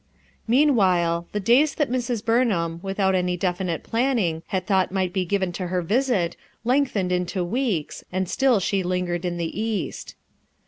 Meanwhile, the days that Mrs. Burnham, without any definite planning, had thought might be given to her visit lengthened into weeks, and still she lingered in the East.